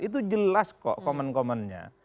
itu jelas kok komen komennya